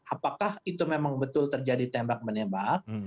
apakah itu memang betul terjadi tembak menembak